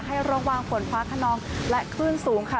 ให้ระวังฝนฟ้าขนองและคลื่นสูงค่ะ